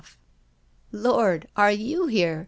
"Oh, lord, are you here?"